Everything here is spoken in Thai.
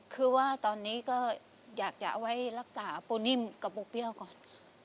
คือว่าตอนนี้ก็อยากจะเอาไว้รักษาปูนิ่มกับปูเปรี้ยวก่อน